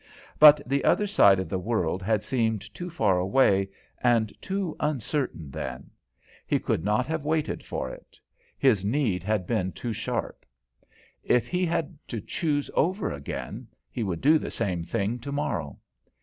But the other side of the world had seemed too far away and too uncertain then; he could not have waited for it; his need had been too sharp. If he had to choose over again, he would do the same thing tomorrow.